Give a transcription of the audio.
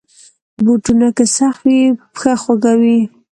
بوټونه که سخت وي، پښه خوږوي.